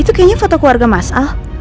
itu kayaknya foto keluarga mas a